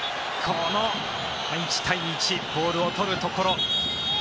この１対１ボールを取るところ。